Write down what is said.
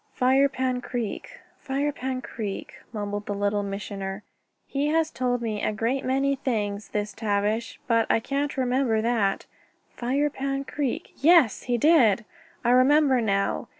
"Firepan Creek Firepan Creek," mumbled the Little Missioner. "He has told me a great many things, this Tavish, but I can't remember that. Firepan Creek! Yes, he did! I remember, now.